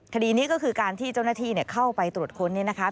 คดีนี้ก็คือการที่เจ้าหน้าที่เข้าไปตรวจค้นเนี่ยนะคะ